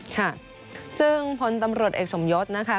ค่ะซึ่งพลตำรวจเอกสมยศนะคะ